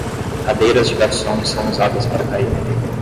Cadeiras de garçom são usadas para cair